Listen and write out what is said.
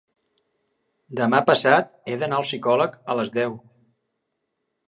Demà passat he d'anar al psicòleg a les deu.